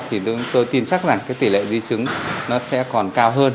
thì tôi tin chắc là tỷ lệ di chứng nó sẽ còn cao hơn